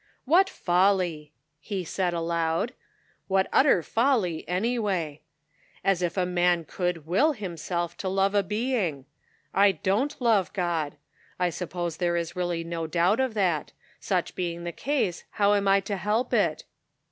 " What folly !" he said aloud. " What utter folly, anyway ! As if a man could will himself to love a being. I don't love God ; I suppose there is really no doubt of that ; such being the case, how am I to help it?"